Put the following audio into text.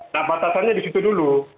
nah batasannya di situ dulu